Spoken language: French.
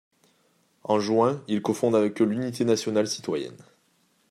En juin, il cofonde avec eux l'Unité nationale citoyenne.